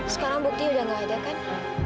sekarang bukti udah nggak ada kan